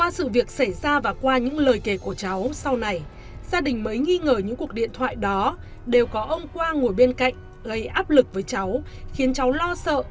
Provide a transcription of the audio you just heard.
tuy nhiên qua sự việc xảy ra và qua những lời kể của cháu sau này gia đình mới nghi ngờ những cuộc điện thoại đó đều có ông quang ngồi bên cạnh gây áp lực với cháu khiến cháu lo sợ nên cháu nói một lời kể